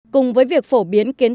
cùng với việc phổ biến kiến trúc